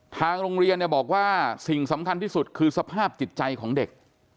ทางโรงเรียนบอกว่าสิ่งสำคัญที่สุดคือสภาพจิตใจของเด็ก